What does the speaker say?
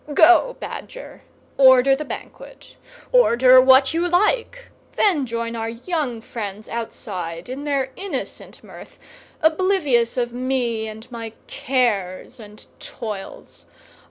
Go, Badger, order the Banquet, order what you like; then join our young friends outside in their innocent mirth, oblivious of me and my cares and toils.